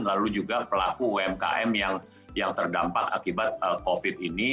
lalu juga pelaku umkm yang terdampak akibat covid ini